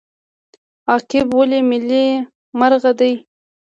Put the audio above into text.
عقاب ولې ملي مرغه دی؟